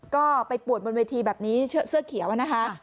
ก็ไปปวดบนเวทีแบบนี้เสื้อเขียวนะคะ